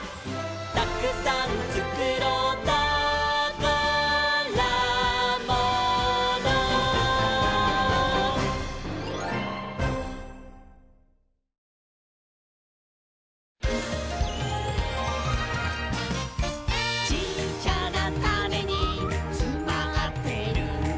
「たくさんつくろうたからもの」「ちっちゃなタネにつまってるんだ」